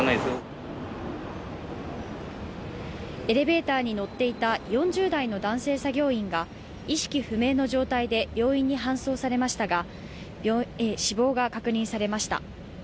エレベーターに乗っていた４０代の男性作業員が意識不明の状態で病院に搬送されましたが死亡が確認されました。